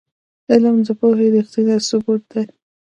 عمل د پوهې ریښتینی ثبوت دی.